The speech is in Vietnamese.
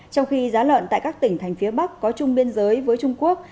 trong khi giá lợn tại các tỉnh thành phía bắc có chung biên giới với trung quốc